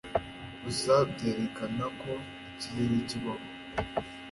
Gusa byerekana ko ikirere kibaho